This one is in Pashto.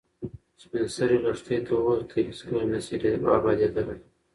سپین سرې لښتې ته وویل چې ته هیڅکله نه شې ابادېدلی.